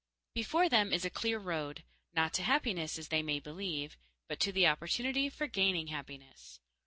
Before them is a clear road. Not to happiness, as they may believe, but to the opportunity for gaining happiness.